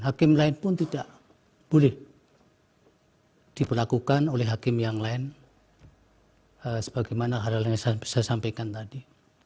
hakim lain pun tidak boleh diperlakukan oleh hakim yang lain sebagaimana hal hal yang saya sampaikan tadi